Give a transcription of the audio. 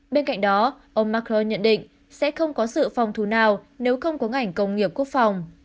bên cạnh đó ông macron nhận định sẽ không có sự phòng thù nào nếu không có ngành công nghiệp quốc phòng